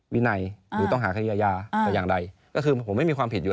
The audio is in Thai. หนังสือที่ย้ายมันระบุไว้ว่าไม่มีความผิดอะไร